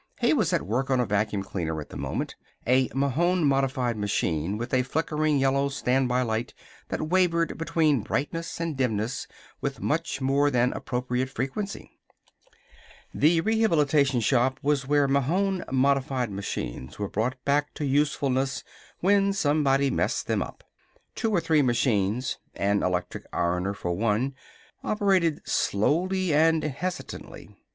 He was at work on a vacuum cleaner at the moment a Mahon modified machine with a flickering yellow standby light that wavered between brightness and dimness with much more than appropriate frequency. The Rehabilitation Shop was where Mahon modified machines were brought back to usefulness when somebody messed them up. Two or three machines an electric ironer, for one operated slowly and hesitantly.